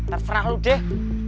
terserah lu deh